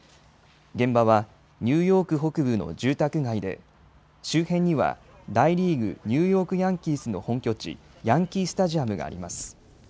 現場はニューヨーク北部の住宅街で、周辺には大リーグ・ニューヨークヤンキースの本拠地、ヤンキースタジアムがあります。